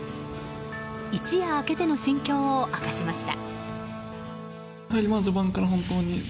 一夜明けての心境を明かしました。